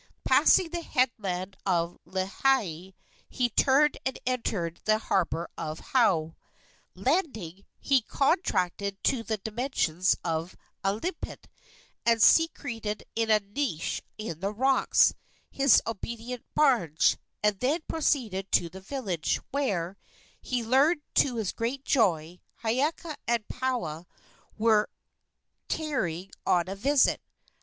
Passing the headland of Leahi, he turned and entered the harbor of Hou. Landing, he contracted to the dimensions of a limpet, and secreted in a niche in the rocks, his obedient barge, and then proceeded to the village, where, he learned to his great joy, Hiiaka and Paoa were tarrying on a visit.